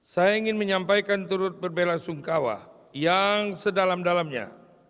saya ingin menyampaikan turut berbela sungkawa yang sedalam dalamnya